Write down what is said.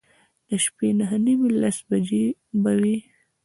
د شپې نهه نیمې، لس بجې به وې.